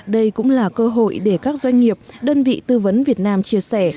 đây cũng là cơ hội để các doanh nghiệp đơn vị tư vấn việt nam chia sẻ